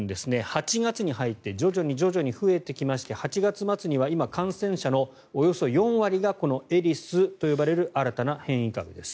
８月に入って徐々に増えてきまして８月末には今、感染者のおよそ４割がこのエリスと呼ばれる新たな変異株です。